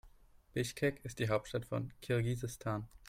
Bischkek ist die Hauptstadt von Kirgisistan.